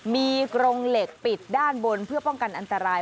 มีกรงเหล็กปิดด้านบนเพื่อป้องกันอันตราย